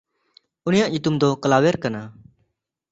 ᱩᱱᱤᱭᱟᱜ ᱧᱩᱛᱩᱢ ᱫᱚ ᱠᱞᱟᱣᱮᱨ ᱠᱟᱱᱟ᱾